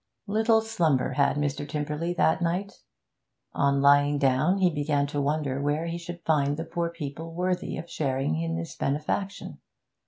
Little slumber had Mr. Tymperley that night. On lying down, he began to wonder where he should find the poor people worthy of sharing in this benefaction.